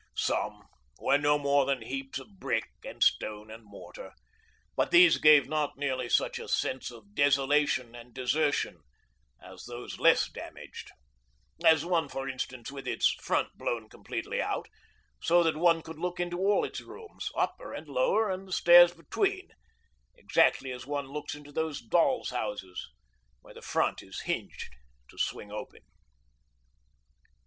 Some were no more than heaps of brick and stone and mortar; but these gave not nearly such a sense of desolation and desertion as those less damaged, as one, for instance, with its front blown completely out, so that one could look into all its rooms, upper and lower and the stairs between, exactly as one looks into those dolls' houses where the front is hinged to swing open.